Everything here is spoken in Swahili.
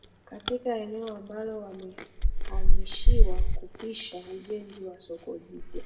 katika eneo ambalo wamehamishiwa kupisha ujenzi wa Soko Jipya